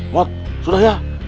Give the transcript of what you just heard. mot sudah ya